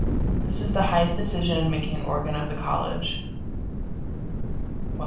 This is the highest decision making organ of the College.